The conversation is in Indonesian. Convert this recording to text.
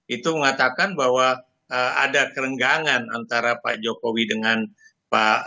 itu mengatakan bahwa ada kerenggangan antara pak jokowi dengan pak jokowi